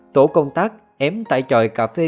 tổ công tác ém tại tròi cà phê